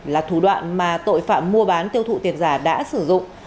là thủ đoạn mà tội phạm mua bán tiêu thụ tiền giả đã sử dụng